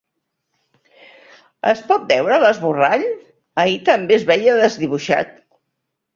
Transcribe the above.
Es pot veure l'esborrall? Ahir també es veia desdibuixat.